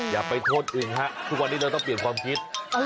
อย่าไปโทษอึงฮะทุกวันนี้เราต้องเปลี่ยนความคิด